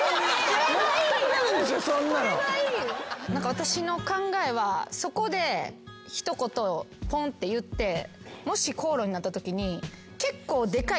私の考えはそこで一言ポンって言ってもし口論になったときに。